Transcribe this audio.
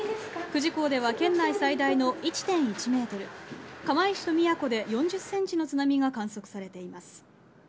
久慈港では県内最大の１．１メートル、釜石と宮古で４０センチの津波が観測されています。